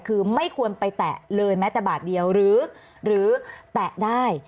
คือไม่ควรไปแตะเลยแม้แต่บาทเดียวหรือแตะได้